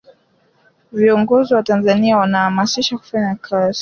viongozi wa tanzania wanahamasisha kufanya kazi